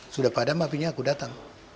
sudah padam apinya aku datang